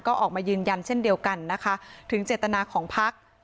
ก็ออกมายืนยันเช่นเดียวกันนะคะถึงเจตนาของพัก